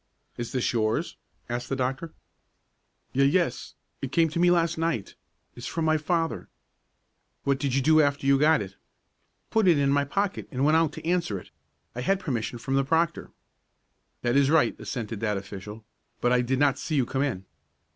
"Is this yours?" asked the doctor. "Ye yes, it came to me last night. It's from my father." "What did you do after you got it?" "Put it in my pocket and went out to answer it. I had permission from the proctor." "That is right," assented that official. "But I did not see you come in."